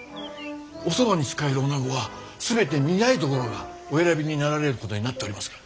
おそばに仕える女子は全て御台所がお選びになられることになっておりますが。